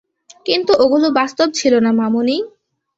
কিন্তু ওগুলো বাস্তব ছিল না, মামুনি।